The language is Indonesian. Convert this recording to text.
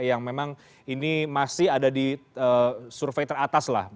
yang memang ini masih ada di survei teratas lah